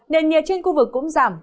nền nhiệt trên khu vực cũng giảm